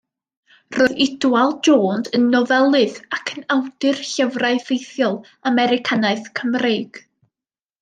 Roedd Idwal Jones yn nofelydd ac yn awdur llyfrau ffeithiol Americanaidd Cymreig.